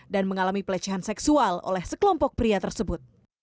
dan mengalami pelecehan seksual oleh sekelompok pria tersebut